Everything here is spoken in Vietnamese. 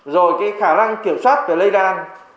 rồi cái khả năng kiểm soát về lây đan